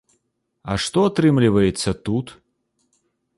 А што атрымліваецца тут?